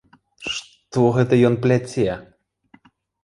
Што гэта ён пляце?